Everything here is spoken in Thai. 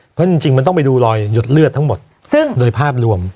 เพราะจริงมันต้องไปดูรอยหยดเลือดทั้งหมดซึ่งโดยภาพรวม